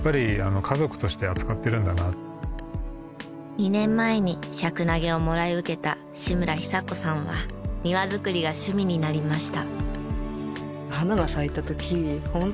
２年前にシャクナゲをもらい受けた志村寿子さんは庭づくりが趣味になりました。